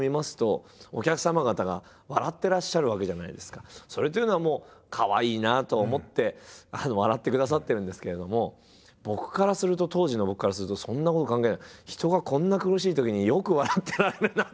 それでぱっとそれというのはかわいいなと思って笑ってくださってるんですけれども僕からすると当時の僕からするとそんなこと関係ない。